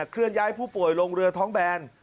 เคลื่อนย้ายผู้ป่วยลงเรือท้องแบน